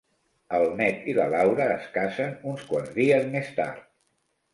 El Ned i la Laura es casen uns quants dies més tard.